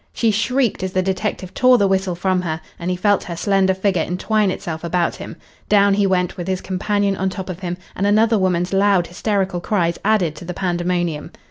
She shrieked as the detective tore the whistle from her, and he felt her slender figure entwine itself about him. Down he went, with his companion on top of him, and another woman's loud hysterical cries added to the pandemonium.